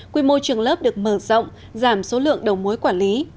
quy mô trường lớp được mở rộng giảm số lượng đầu mối quản lý